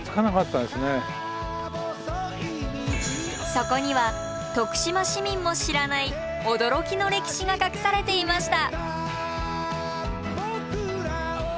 そこには徳島市民も知らない驚きの歴史が隠されていました。